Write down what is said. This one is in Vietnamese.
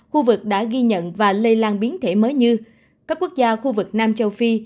khu vực đã ghi nhận và lây lan biến thể mới như các quốc gia khu vực nam châu phi